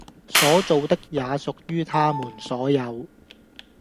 所造的也屬於它們所有